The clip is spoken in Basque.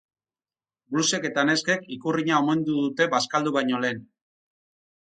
Blusek eta neskek ikurriña omendu dute bazkaldu baino lehen.